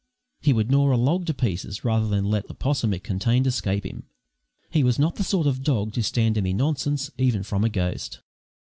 He would gnaw a log to pieces rather than let the 'possum it contained escape him. He was not the sort of dog to stand any nonsense even from a ghost.